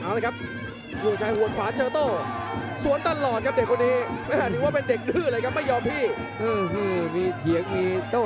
เอาเลยครับห่วงชายหัวขวาเจอโต้